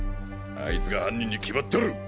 あいつが犯人に決まっとる！